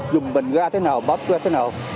dùng bình ra thế nào bóp qua thế nào